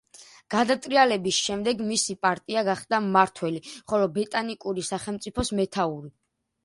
გადატრიალების შემდეგ მისი პარტია გახდა მმართველი, ხოლო ბეტანკური სახელმწიფოს მეთაური.